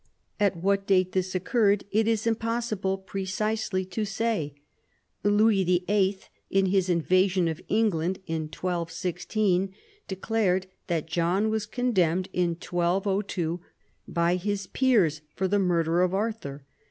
At what date this occurred it is impossible precisely to say. Louis VIII. in his invasion of England in 1216 declared that John was condemned in 1202 by his peers for the murder of Arthur.